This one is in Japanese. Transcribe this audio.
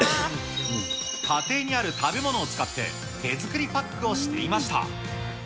家庭にある食べ物を使って、手作りパックをしていました。